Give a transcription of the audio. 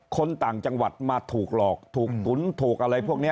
คนต่างจังหวัดมาถูกหลอกถูกตุ๋นถูกอะไรพวกนี้